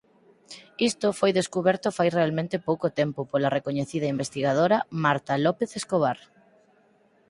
Isto foi descuberto fai realmente pouco tempo pola recoñecida investigadora Marta López Escobar.